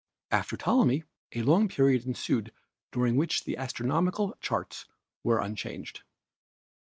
"After Ptolemy a long period ensued during which the astronomical charts were unchanged.